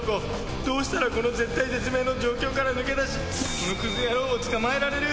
どうしたらこの絶体絶命の状況から抜け出し、このくず野郎を捕まえられる？